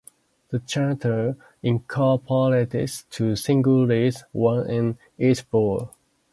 The chanter incorporates two single reeds, one in each bore.